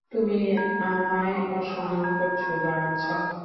তুমি আমায় অসম্মান করছ, বাছা।